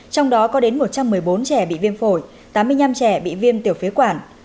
trong đó có đến một trăm một mươi bốn trẻ bị viêm phổi tám mươi năm trẻ bị viêm tiểu phế quản